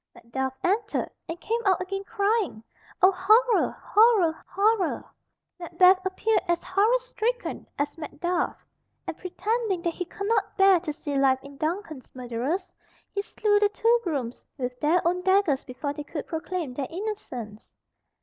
Macduff entered, and came out again crying, "O horror! horror! horror!" Macbeth appeared as horror stricken as Macduff, and pretending that he could not bear to see life in Duncan's murderers, he slew the two grooms with their own daggers before they could proclaim their innocence.